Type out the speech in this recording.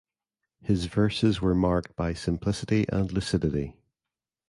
His verses were marked by simplicity and lucidity.